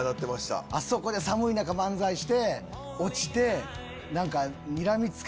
あそこで寒い中漫才して落ちて。